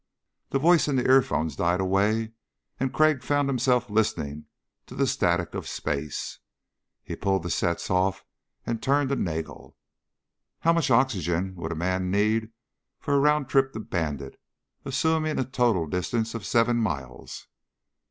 The voice in the earphones died away and Crag found himself listening to the static of space. He pulled the sets off and turned to Nagel. "How much oxygen would a man need for a round trip to Bandit, assuming a total distance of seven miles."